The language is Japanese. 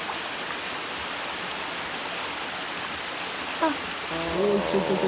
あっ。